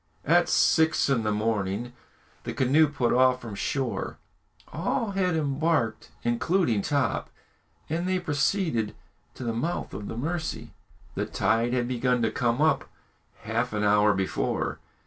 At six in the morning the canoe put off from the shore; all had embarked, including Top, and they proceeded to the mouth of the Mercy. The tide had begun to come up half an hour before.